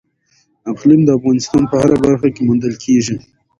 اقلیم د افغانستان په هره برخه کې موندل کېږي.